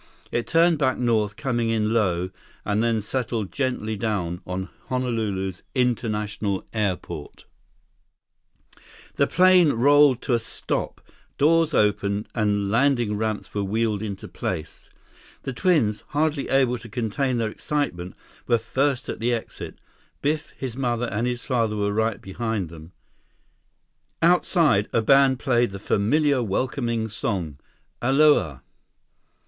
It turned back north, coming in low, and then settled gently down on Honolulu's International Airport. 21 Diamond Head rose majestically into view 22 The plane rolled to a stop, doors opened, and landing ramps were wheeled into place. The twins, hardly able to contain their excitement, were first at the exit. Biff, his mother, and his father were right behind them. Outside, a band played the familiar welcoming song, "Aloha."